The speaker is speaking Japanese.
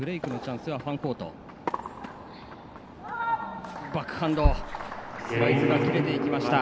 スライスが切れていきました。